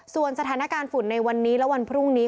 ส่วนสถานการณ์ฝุ่นในวันนี้และวันพรุ่งนี้